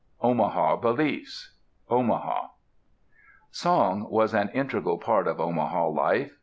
OMAHA BELIEFS Omaha Song was an integral part of Omaha life.